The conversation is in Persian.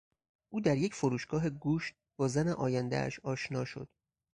او در یک فروشگاه گوشت با زن آیندهاش آشنا شد.